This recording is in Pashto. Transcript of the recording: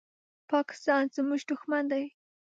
پاکستان زمونږ دوښمن دی